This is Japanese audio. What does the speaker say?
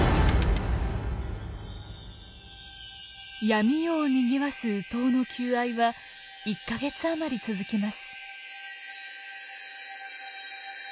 闇夜をにぎわすウトウの求愛は１か月余り続きます。